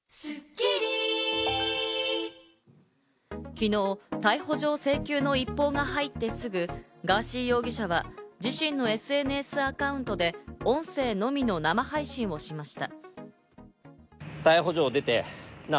昨日、逮捕状請求の一報が入ってすぐ、ガーシー容疑者は自身のＳＮＳアカウントで音声のみの生配信をしました。